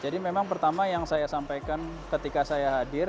jadi memang pertama yang saya sampaikan ketika saya hadir